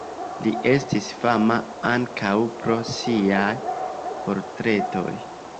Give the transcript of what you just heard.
Li estis fama ankaŭ pro siaj portretoj.